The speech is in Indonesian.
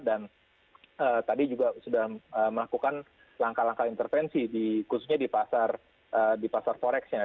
dan tadi juga sudah melakukan langkah langkah intervensi khususnya di pasar forexnya